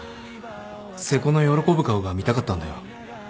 瀬古の喜ぶ顔が見たかったんだよ。